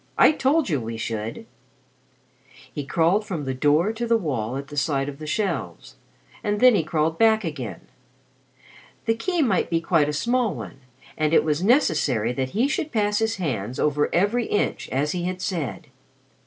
"I told you we should." He crawled from the door to the wall at the side of the shelves, and then he crawled back again. The key might be quite a small one, and it was necessary that he should pass his hands over every inch, as he had said.